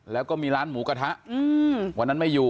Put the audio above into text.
แล้วก็มีร้านหมูกระทะวันนั้นไม่อยู่